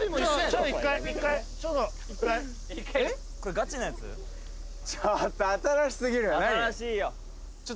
ちょっと新しすぎる何？